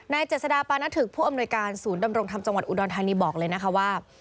เจษดาปานถึกผู้อำนวยการศูนย์ดำรงธรรมจังหวัดอุดรธานีบอกเลยนะคะว่า